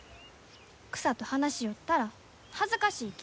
草と話しよったら恥ずかしいき。